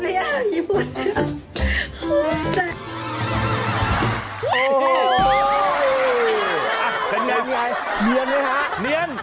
เพราะว่าไงเหนียวน่ะครับ